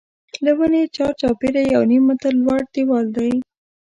له ونې چار چاپېره یو نیم متر لوړ دیوال دی.